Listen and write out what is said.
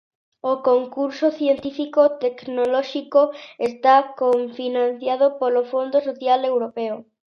O concurso científico-tecnolóxico está cofinanciado polo Fondo Social Europeo.